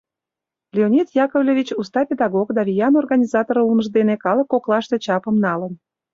Леонид Яковлевич уста педагог да виян организатор улмыж дене калык коклаште чапым налын.